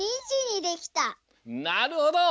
なるほど！